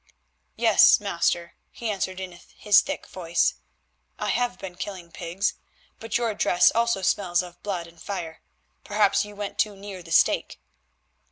"Yes, master," he answered, in his thick voice, "I have been killing pigs. But your dress also smells of blood and fire; perhaps you went too near the stake."